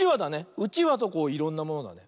うちわといろんなものだね。